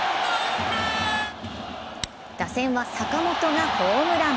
打線は坂本がホームラン。